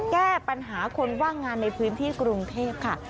แก้ปัญหาคนว่างงานในพื้นที่กรุงเทพค่ะ